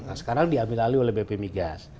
nah sekarang diambil alih oleh bp migas